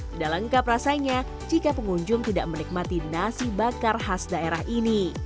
tidak lengkap rasanya jika pengunjung tidak menikmati nasi bakar khas daerah ini